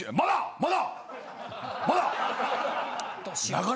まだ！